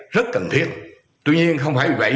rất cần thiết tuy nhiên không phải vì vậy